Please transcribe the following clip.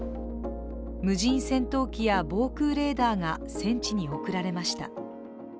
無人戦闘機や防空レーダーが戦地に送られました。